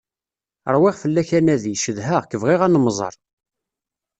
Ṛwiɣ fell-ak anadi, cedheɣ-k, bɣiɣ ad nemmẓer.